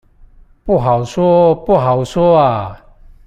不好說，不好說阿